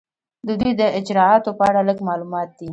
د دوی د اجرااتو په اړه لږ معلومات دي.